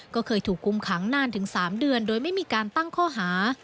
ก็เคยถูกคุมขังนานถึง๓เดือนโดยไม่มีการตั้งข้อหา